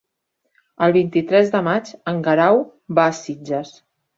El vint-i-tres de maig en Guerau va a Sitges.